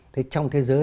thế trong thế giới